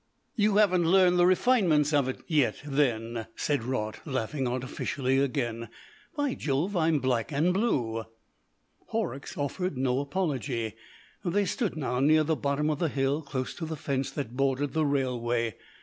"You haven't learnt the refinements of it yet then," said Raut, laughing artificially again. "By Jove! I'm black and blue." Horrocks offered no apology. They stood now near the bottom of the hill, close to the fence that bordered the railway.